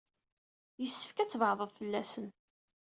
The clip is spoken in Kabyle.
Yessefk ad tbeɛɛdeḍ fell-asen.